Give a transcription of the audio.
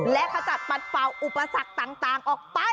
และขจัดปัดเป่าอุปสรรคต่างออกไป